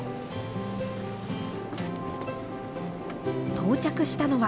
到着したのは。